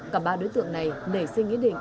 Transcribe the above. cả ba đối tượng này nảy sinh ý định